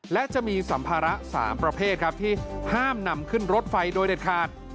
และจะมีสัมภาระ๓ประเภทครับที่ห้ามนำขึ้นรถไฟโดยเด็ดขาด